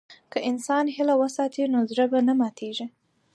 که انسان هیله وساتي، نو زړه به نه ماتيږي.